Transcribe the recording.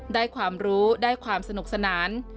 ได้ความรู้ได้ความสนุกสนาน